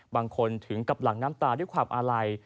ถึงกับหลังน้ำตาด้วยความอาลัย